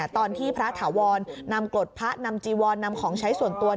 ตอนที่พระถาวรนำกรดพระนำจีวรนำของใช้ส่วนตัว